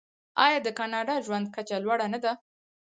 آیا د کاناډا ژوند کچه لوړه نه ده؟